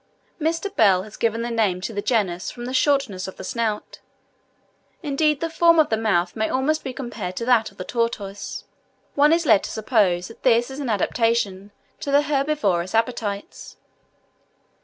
Mr. Bell has given the name to the genus from the shortness of the snout: indeed, the form of the mouth may almost be compared to that of the tortoise: one is led to suppose that this is an adaptation to their herbivorous appetites.